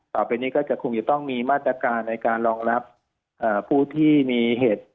ต่อไปนี้ก็จะคงจะต้องมีมาตรการในการรองรับผู้ที่มีเหตุ